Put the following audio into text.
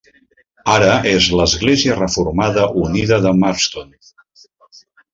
Ara és l'Església Reformada Unida de Marston.